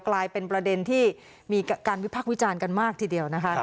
กลายเป็นประเด็นที่มีการวิพักษ์วิจารณ์กันมากทีเดียวนะคะ